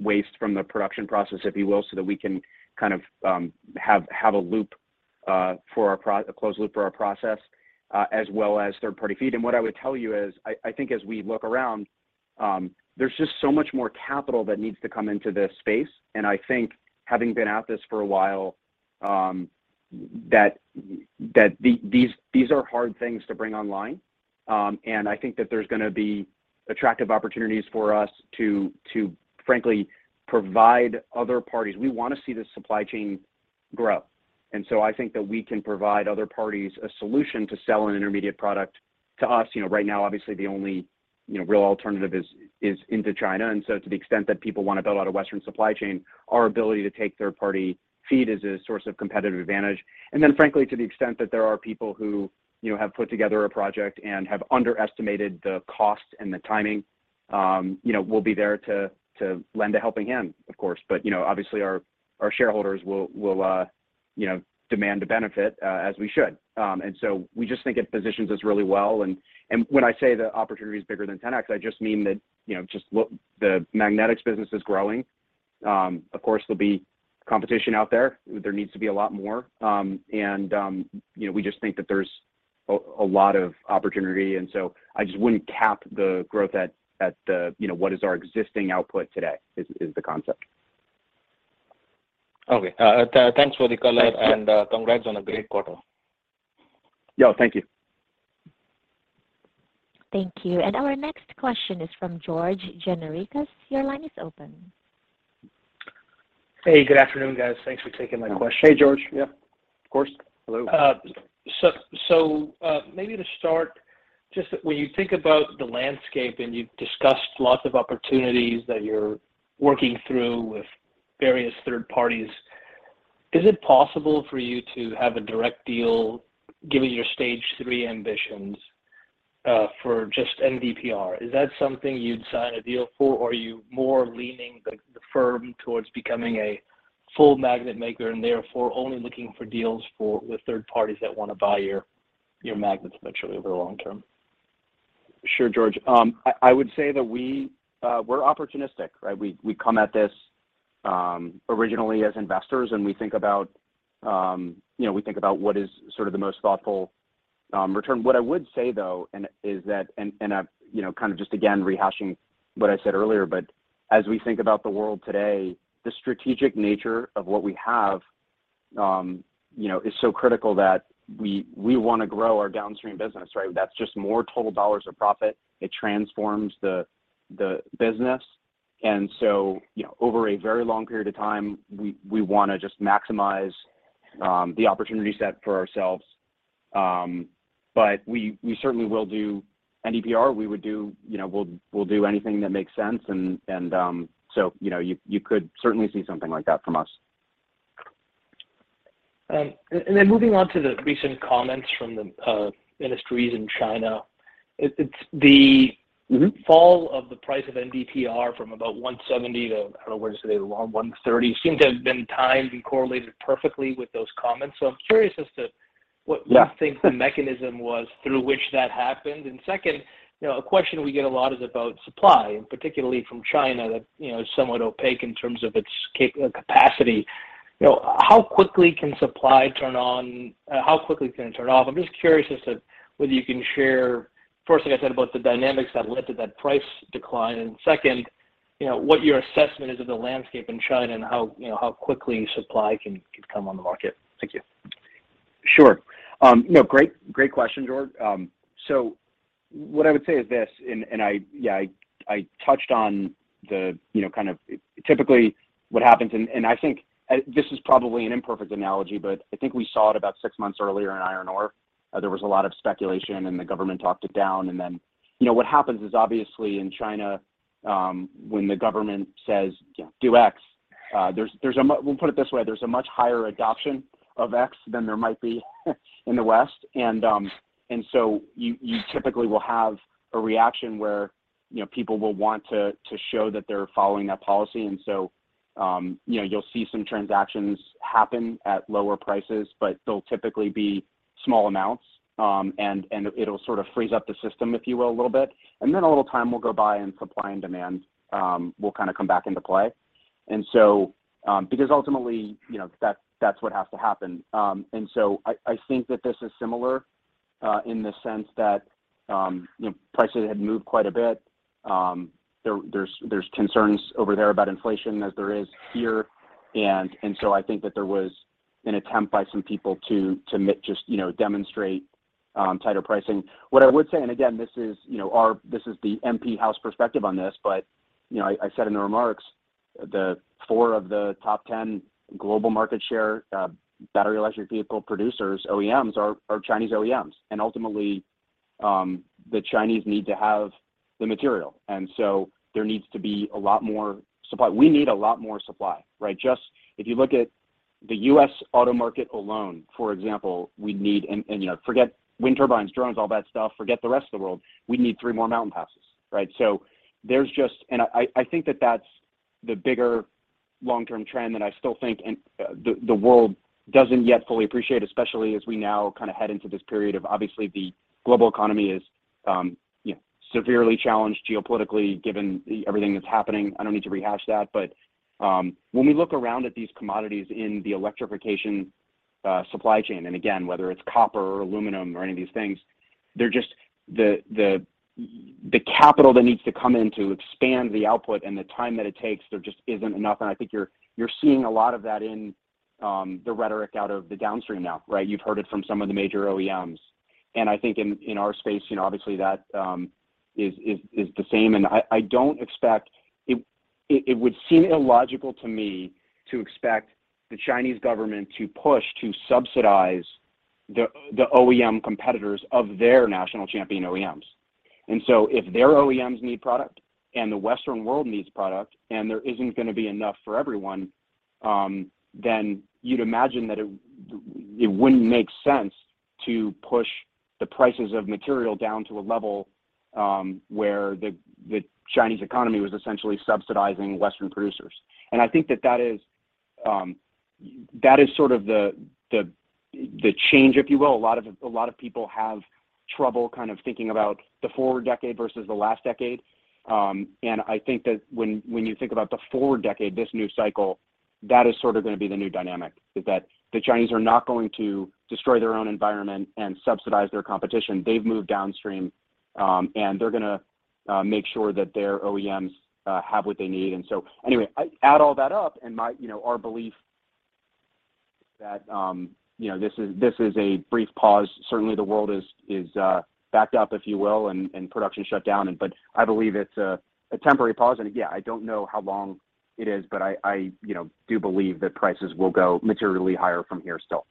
waste from the production process, if you will, so that we can kind of have a closed loop for our process, as well as third-party feed. What I would tell you is I think as we look around, there's just so much more capital that needs to come into this space. I think having been at this for a while, that these are hard things to bring online. I think that there's gonna be attractive opportunities for us to frankly provide other parties. We wanna see the supply chain grow. I think that we can provide other parties a solution to sell an intermediate product to us. You know, right now, obviously the only real alternative is into China. To the extent that people wanna build out a Western supply chain, our ability to take third party feed is a source of competitive advantage. Frankly, to the extent that there are people who have put together a project and have underestimated the cost and the timing, you know, we'll be there to lend a helping hand, of course. You know, obviously our shareholders will, you know, demand a benefit, as we should. We just think it positions us really well. When I say the opportunity is bigger than 10x, I just mean that, you know, just look, the magnetics business is growing. Of course there'll be competition out there. There needs to be a lot more. You know, we just think that there's a lot of opportunity and so I just wouldn't cap the growth at the, you know, what is our existing output today is the concept. Okay. Thanks for the color. Yeah. Congrats on a great quarter. Yeah. Thank you. Thank you. Our next question is from George Gianarikas. Your line is open. Hey, good afternoon, guys. Thanks for taking my question. Hey, George. Yeah, of course. Hello. Maybe to start, just when you think about the landscape, and you've discussed lots of opportunities that you're working through with various third parties, is it possible for you to have a direct deal given your stage three ambitions for just NdPr? Is that something you'd sign a deal for, or are you more leaning the firm towards becoming a full magnet maker and therefore only looking for deals with third parties that wanna buy your magnets eventually over the long term? Sure. George. I would say that we're opportunistic, right? We come at this originally as investors and we think about you know we think about what is sort of the most thoughtful return. What I would say though is that I'm you know kind of just again rehashing what I said earlier, but as we think about the world today, the strategic nature of what we have you know is so critical that we want to grow our downstream business, right? That's just more total dollars of profit. It transforms the business. You know, over a very long period of time, we wanna just maximize the opportunity set for ourselves. We certainly will do NdPr. We would do you know we'll do anything that makes sense. You know, you could certainly see something like that from us. Moving on to the recent comments from the ministries in China. It's the- Mm-hmm. Fall of the price of NdPr from about 170 to, I don't know, where is today, 130, seemed to have been timed and correlated perfectly with those comments. I'm curious as to what- Yeah. You think the mechanism was through which that happened. Second, you know, a question we get a lot is about supply and particularly from China that, you know, is somewhat opaque in terms of its capacity. You know, how quickly can supply turn on, how quickly can it turn off? I'm just curious as to whether you can share, first thing I said about the dynamics that led to that price decline. Second, you know, what your assessment is of the landscape in China and how, you know, how quickly supply can come on the market. Thank you. Sure. You know, great question, George. So what I would say is this, and I, yeah, I touched on the, you know, kind of typically what happens, and I think this is probably an imperfect analogy, but I think we saw it about six months earlier in iron ore. There was a lot of speculation and the government talked it down. You know, what happens is, obviously, in China, when the government says, you know, "Do X," there's a much higher adoption of X than there might be in the West. So you typically will have a reaction where, you know, people will want to show that they're following that policy. You'll see some transactions happen at lower prices, but they'll typically be small amounts. It'll sort of freeze up the system, if you will, a little bit. A little time will go by and supply and demand will kind of come back into play. Because ultimately, you know, that's what has to happen. I think that this is similar in the sense that you know, prices had moved quite a bit. There's concerns over there about inflation as there is here. I think that there was an attempt by some people to just demonstrate tighter pricing. What I would say, and again, this is, you know, our in-house perspective on this, but you know, I said in the remarks that 4 of the top 10 global market share battery electric vehicle producers, OEMs are Chinese OEMs. Ultimately, the Chinese need to have the material, and so there needs to be a lot more supply. We need a lot more supply, right? Just if you look at the U.S. auto market alone, for example, we need you know, forget wind turbines, drones, all that stuff. Forget the rest of the world. We need three more Mountain Passes, right? There's just I think that's the bigger long-term trend that I still think, and the world doesn't yet fully appreciate, especially as we now kind of head into this period of obviously the global economy is severely challenged geopolitically given everything that's happening. I don't need to rehash that. When we look around at these commodities in the electrification supply chain, and again, whether it's copper or aluminum or any of these things, they're just the capital that needs to come in to expand the output and the time that it takes, there just isn't enough. I think you're seeing a lot of that in the rhetoric out of the downstream now, right? You've heard it from some of the major OEMs. I think in our space, you know, obviously that is the same. I don't expect. It would seem illogical to me to expect the Chinese government to push to subsidize the OEM competitors of their national champion OEMs. If their OEMs need product and the Western world needs product and there isn't gonna be enough for everyone, then you'd imagine that it wouldn't make sense to push the prices of material down to a level where the Chinese economy was essentially subsidizing Western producers. I think that is sort of the change, if you will. A lot of people have trouble kind of thinking about the forward decade versus the last decade. I think that when you think about the forward decade, this new cycle, that is sort of gonna be the new dynamic, is that the Chinese are not going to destroy their own environment and subsidize their competition. They've moved downstream, and they're gonna make sure that their OEMs have what they need. Anyway, I add all that up, and my, you know, our belief that, you know, this is a brief pause. Certainly the world is backed up, if you will, and production shut down. I believe it's a temporary pause. Again, I don't know how long it is, but I you know do believe that prices will go materially higher from here still.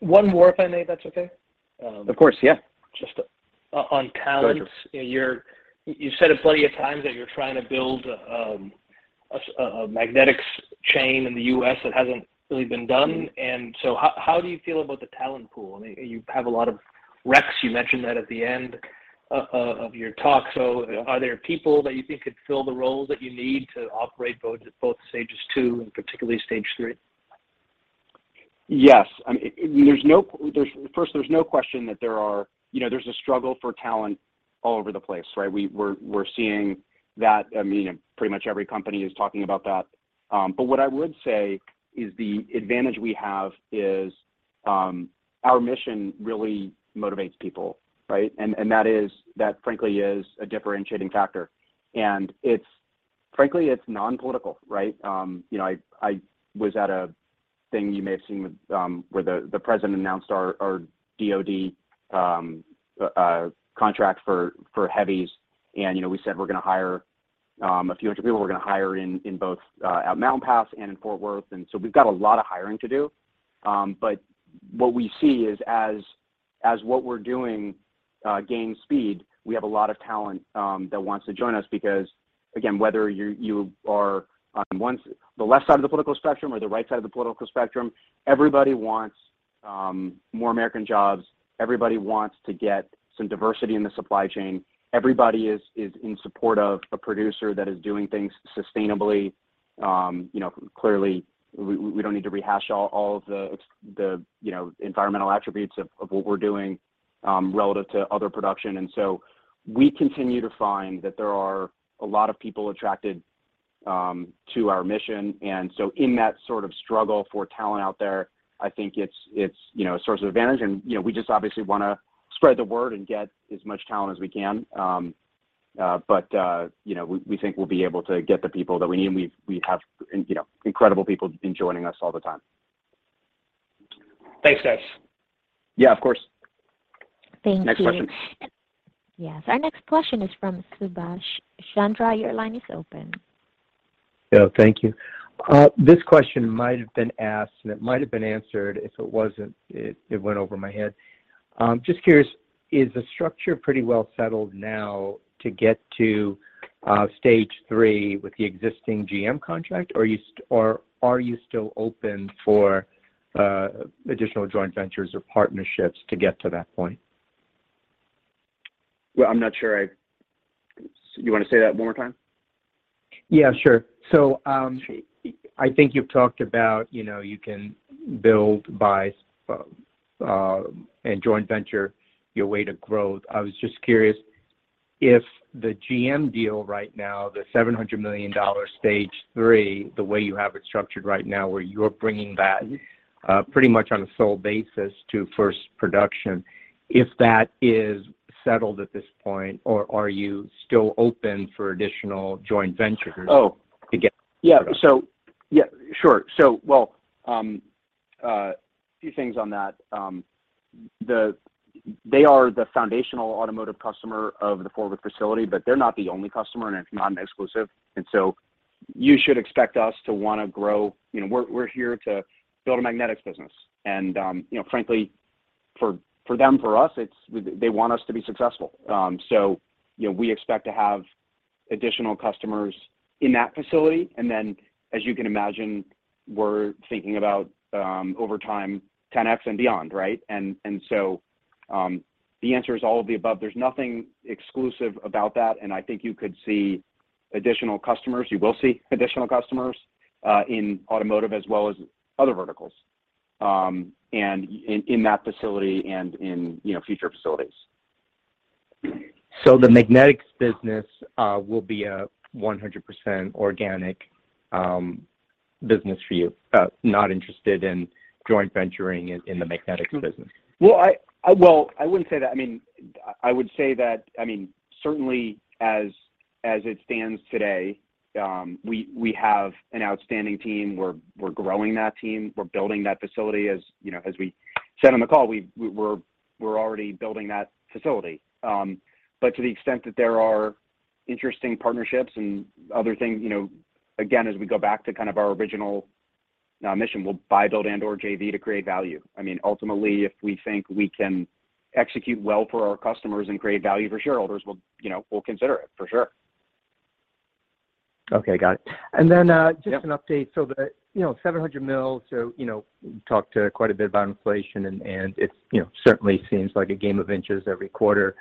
One more if I may, if that's okay. Of course, yeah. Just, on talents. Go ahead. You've said it plenty of times that you're trying to build a magnetics chain in the U.S. that hasn't really been done. How do you feel about the talent pool? I mean, you have a lot of reqs. You mentioned that at the end of your talk. Are there people that you think could fill the role that you need to operate both stages two and particularly stage three? Yes. I mean, first, there's no question that you know, there's a struggle for talent all over the place, right? We're seeing that. I mean, pretty much every company is talking about that. What I would say is the advantage we have is our mission really motivates people, right? That frankly is a differentiating factor. Frankly, it's non-political, right? You know, I was at a thing you may have seen with, where the president announced our DoD contract for heavies. You know, we said we're gonna hire a few hundred people. We're gonna hire in both at Mountain Pass and in Fort Worth. We've got a lot of hiring to do. What we see is as what we're doing gains speed, we have a lot of talent that wants to join us because again, whether you are on the left side of the political spectrum or the right side of the political spectrum, everybody wants more American jobs. Everybody wants to get some diversity in the supply chain. Everybody is in support of a producer that is doing things sustainably. You know, clearly we don't need to rehash all of the, you know, environmental attributes of what we're doing relative to other production. We continue to find that there are a lot of people attracted to our mission. In that sort of struggle for talent out there, I think it's, you know, a source of advantage. You know, we just obviously wanna spread the word and get as much talent as we can. You know, we think we'll be able to get the people that we need. You know, we have incredible people been joining us all the time. Thanks, guys. Yeah, of course. Thank you. Next question. Yes. Our next question is from Subhasish Chandra, your line is open. Yeah, thank you. This question might have been asked, and it might have been answered. If it wasn't, it went over my head. Just curious, is the structure pretty well settled now to get to stage three with the existing GM contract, or are you still open for additional joint ventures or partnerships to get to that point? You wanna say that one more time? Yeah, sure. I think you've talked about, you know, you can build, buy, and joint venture your way to growth. I was just curious if the GM deal right now, the $700 million stage three, the way you have it structured right now, where you're bringing that pretty much on a sole basis to first production, if that is settled at this point, or are you still open for additional joint ventures? Oh... to get- Yeah. Yeah, sure. Well, few things on that. They are the foundational automotive customer of the Fort Worth facility, but they're not the only customer, and it's non-exclusive. You should expect us to wanna grow. You know, we're here to build a magnetics business. You know, frankly, for them, for us, they want us to be successful. You know, we expect to have additional customers in that facility. As you can imagine, we're thinking about, over time, 10x and beyond, right? The answer is all of the above. There's nothing exclusive about that. I think you could see additional customers. You will see additional customers in automotive as well as other verticals, and in that facility and in, you know, future facilities. The magnetics business will be a 100% organic business for you? Not interested in joint venturing in the magnetics business. Well, I wouldn't say that. I mean, I would say that, I mean, certainly as it stands today, we have an outstanding team. We're growing that team. We're building that facility, as you know, as we said on the call, we're already building that facility. To the extent that there are interesting partnerships and other things, you know, again, as we go back to kind of our original mission, we'll buy, build, and/or JV to create value. I mean, ultimately, if we think we can execute well for our customers and create value for shareholders, we'll, you know, we'll consider it for sure. Okay. Got it. Yep Just an update. The, you know, $700 million. You know, talked quite a bit about inflation and it's certainly seems like a game of inches every quarter.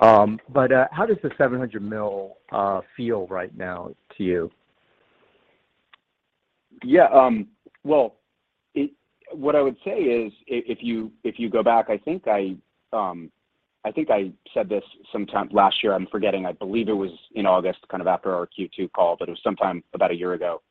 But how does the $700 million feel right now to you? What I would say is if you go back, I think I said this sometime last year. I'm forgetting. I believe it was in August, kind of after our Q2 call, but it was sometime about a year ago.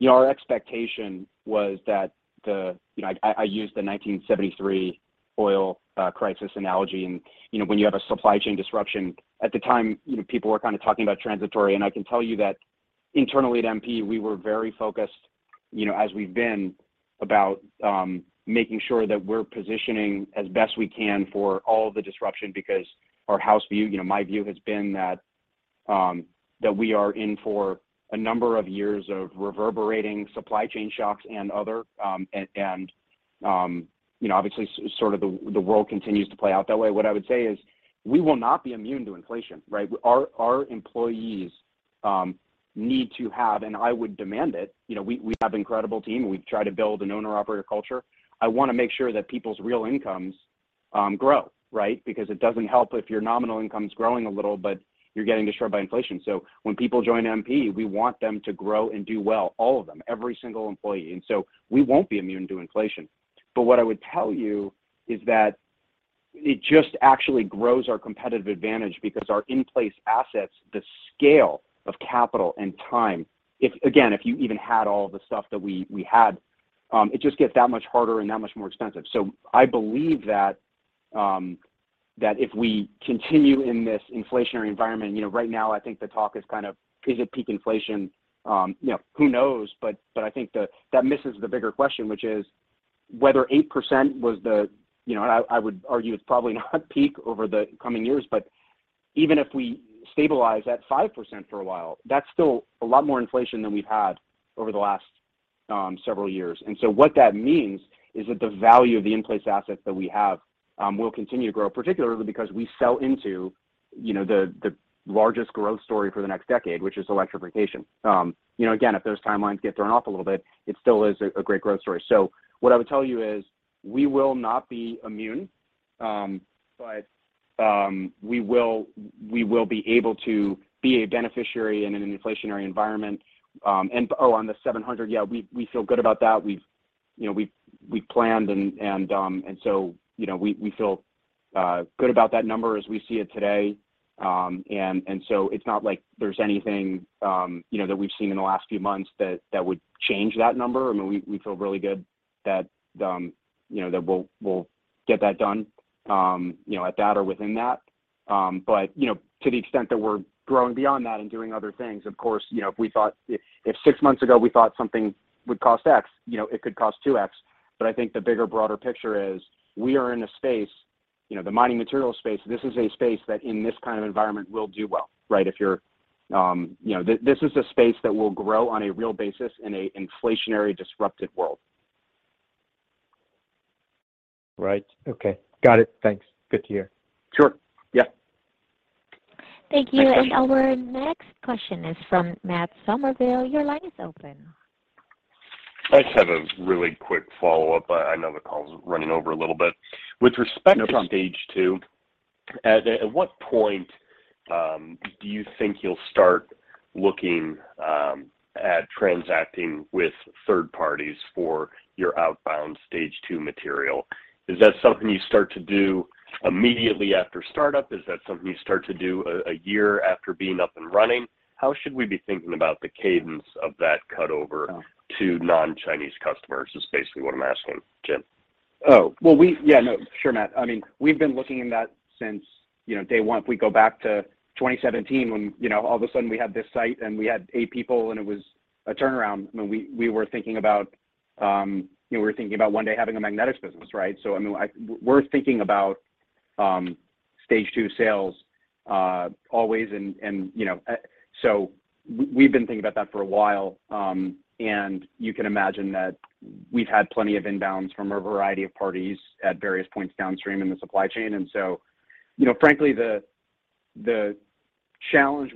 You know, our expectation was that. You know, I used the 1973 oil crisis analogy. You know, when you have a supply chain disruption, at the time, you know, people were kind of talking about transitory. I can tell you that internally at MP, we were very focused, you know, as we've been about making sure that we're positioning as best we can for all the disruption, because our house view, you know, my view has been that we are in for a number of years of reverberating supply chain shocks and other, you know, obviously sort of the world continues to play out that way. What I would say is we will not be immune to inflation, right? Our employees need to have, and I would demand it, you know, we have incredible team. We try to build an owner-operator culture. I wanna make sure that people's real incomes grow, right? Because it doesn't help if your nominal income's growing a little, but you're getting destroyed by inflation. When people join MP, we want them to grow and do well, all of them, every single employee. We won't be immune to inflation. What I would tell you is that it just actually grows our competitive advantage because our in-place assets, the scale of capital and time. Again, if you even had all the stuff that we had, it just gets that much harder and that much more expensive. I believe that if we continue in this inflationary environment, you know, right now I think the talk is kind of, is it peak inflation? You know, who knows? I think that misses the bigger question, which is whether 8% was the, you know. I would argue it's probably not peak over the coming years, but even if we stabilize at 5% for a while, that's still a lot more inflation than we've had over the last several years. What that means is that the value of the in-place assets that we have will continue to grow, particularly because we sell into, you know, the largest growth story for the next decade, which is electrification. You know, again, if those timelines get thrown off a little bit, it still is a great growth story. What I would tell you is we will not be immune, but we will be able to be a beneficiary in an inflationary environment. Oh, on the $700, yeah, we feel good about that. We've planned and so, you know, we feel good about that number as we see it today. It's not like there's anything, you know, that we've seen in the last few months that would change that number. I mean, we feel really good that, you know, that we'll get that done, you know, at that or within that. You know, to the extent that we're growing beyond that and doing other things, of course, you know, if six months ago, we thought something would cost X, you know, it could cost two X. I think the bigger, broader picture is we are in a space, you know, the mining material space. This is a space that in this kind of environment will do well, right? If you're, you know, this is a space that will grow on a real basis in an inflationary, disrupted world. Right. Okay. Got it. Thanks. Good to hear. Sure. Yeah. Thank you. Our next question is from Matt Summerville. Your line is open. I just have a really quick follow-up. I know the call's running over a little bit. No problem. With respect to stage two, at what point do you think you'll start looking at transacting with third parties for your outbound stage two material? Is that something you start to do immediately after startup? Is that something you start to do a year after being up and running? How should we be thinking about the cadence of that cut over to non-Chinese customers, is basically what I'm asking, Jim? Oh, well. Yeah. No, sure, Matt. I mean, we've been looking into that since, you know, day one. If we go back to 2017 when, you know, all of a sudden we had this site and we had eight people, and it was a turnaround. I mean, we were thinking about, you know, we were thinking about one day having a magnetics business, right? I mean, like, we're thinking about stage two sales always and, you know. We've been thinking about that for a while. And you can imagine that we've had plenty of inbounds from a variety of parties at various points downstream in the supply chain. You know, frankly, I believe the challenge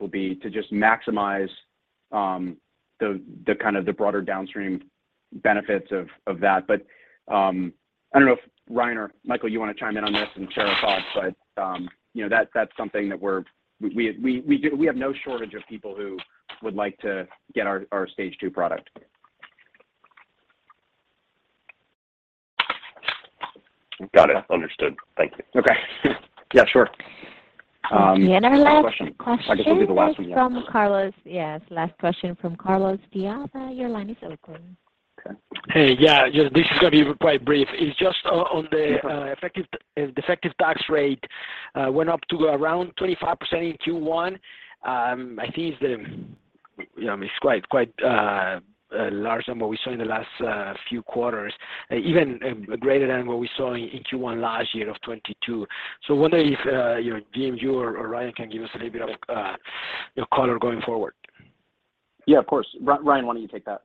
will be to just maximize the kind of broader downstream benefits of that. I don't know if Ryan or Michael, you wanna chime in on this and share our thoughts, but you know, that's something that we have no shortage of people who would like to get our stage two product. Got it. Understood. Thank you. Okay. Yeah, sure. Our last question. I guess it'll be the last one, yeah. is from Carlos. Yes, last question from Carlos de Alba, your line is open. Okay. Hey, yeah. This is gonna be quite brief. It's just on the effective tax rate went up to around 25% in Q1. I think you know, it's quite larger than what we saw in the last few quarters. Even greater than what we saw in Q1 last year of 22%. Wondering if you know, James, you or Ryan can give us a little bit of you know, color going forward. Yeah, of course. Ryan, why don't you take that?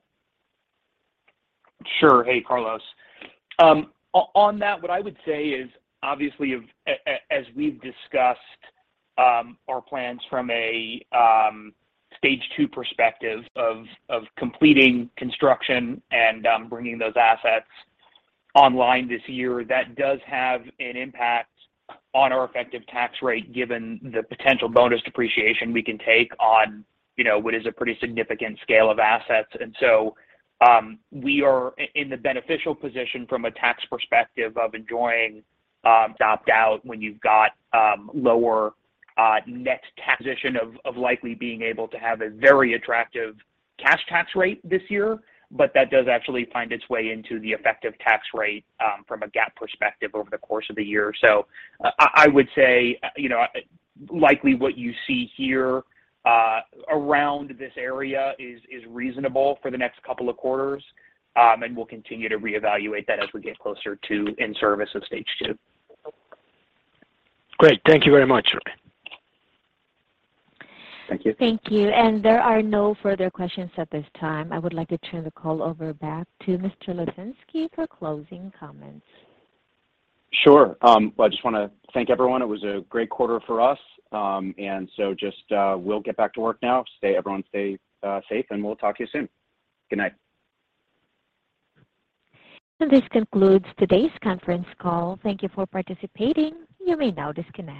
Sure. Hey, Carlos. On that, what I would say is, obviously, as we've discussed, our plans from a stage two perspective of completing construction and bringing those assets online this year, that does have an impact on our effective tax rate, given the potential bonus depreciation we can take on, you know, what is a pretty significant scale of assets. We are in the beneficial position from a tax perspective of likely being able to have a very attractive cash tax rate this year. That does actually find its way into the effective tax rate from a GAAP perspective over the course of the year. I would say, you know, likely what you see here, around this area is reasonable for the next couple of quarters, and we'll continue to reevaluate that as we get closer to in service of stage two. Great. Thank you very much, Ryan. Thank you. Thank you. There are no further questions at this time. I would like to turn the call over back to Mr. Litinsky for closing comments. Sure. I just wanna thank everyone. It was a great quarter for us. Just we'll get back to work now. Everyone stay safe, and we'll talk to you soon. Good night. This concludes today's conference call. Thank you for participating. You may now disconnect.